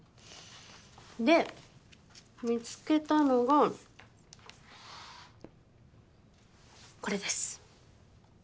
で見つけたのがこれです。